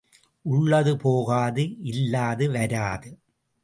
உள்ளது போகாது இல்லது வராது.